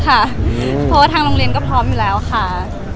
เพราะว่าทางโรงเรียนก็พร้อมอยู่แล้วค่ะ